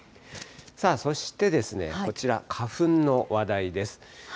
そしてこちら、花粉の話題です。